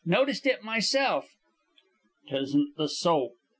Noticed it myself." "'Tisn't the soap.